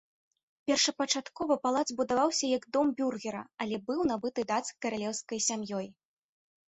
Першапачаткова палац будаваўся як дом бюргера, але быў набыты дацкай каралеўскай сям'ёй.